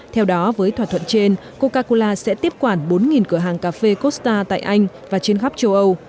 theo đó với thỏa thuận trên coca cola sẽ tiếp quản bốn cửa hàng cà phê costa tại anh và trên khắp châu âu